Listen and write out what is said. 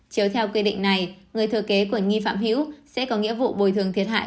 chiếu theo quy định này người thừa kế của nghi phạm hữu sẽ có nghĩa vụ bồi thường thiệt hại